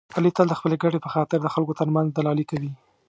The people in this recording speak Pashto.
علي تل د خپلې ګټې په خاطر د خلکو ترمنځ دلالي کوي.